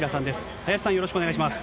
はやしさん、よろしくお願いします。